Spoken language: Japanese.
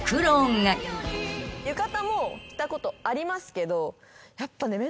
浴衣も着たことありますけどやっぱね。